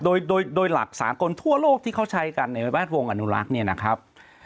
โดยโดยหลักสากลทั่วโลกที่เขาใช้กันในแวดวงอนุรักษ์เนี่ยนะครับ